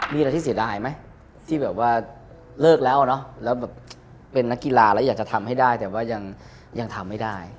มีอะไรที่เสียดายไหมที่แบบว่าเลิกแล้วเนอะแล้วแบบเป็นนักกีฬาแล้วอยากจะทำให้ได้แต่ว่ายังทำไม่ได้